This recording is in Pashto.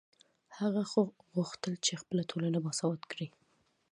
هغه غوښتل چې خپله ټولنه باسواده کړي.